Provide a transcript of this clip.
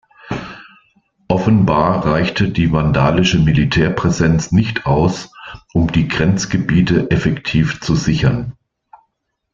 Offenbar reichte die vandalische Militärpräsenz nicht aus, um die Grenzgebiete effektiv zu sichern.